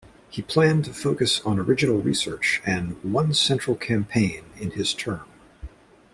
He planned to focus on original research and "one central campaign" in his term.